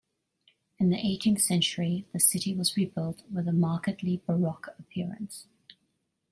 In the eighteenth century, the city was rebuilt with a markedly Baroque appearance.